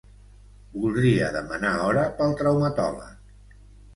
Voldria demanar hora pel traumatòleg.